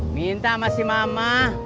minta sama si mama